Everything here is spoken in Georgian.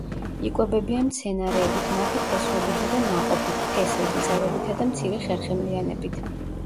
იკვებებიან მცენარეებით, მათი ფესვებითა და ნაყოფით, თესლით, მწერებითა და მცირე ხერხემლიანებით.